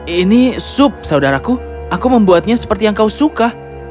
ini sup saudaraku aku membuatnya seperti yang kau suka